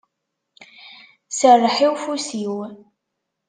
Serreḥ i ufus-iw.